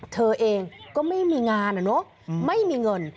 เธอเองก็ไม่มีงานอะเนอะไม่มีเงิน